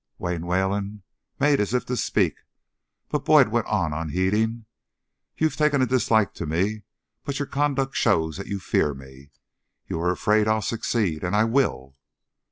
Wayne Wayland made as if to speak, but Boyd went on unheeding: "You've taken a dislike to me, but your conduct shows that you fear me. You are afraid I'll succeed, and I will."